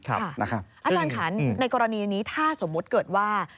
อาจารย์ขันในกรณีนี้ถ้าสมมุติเกิดว่า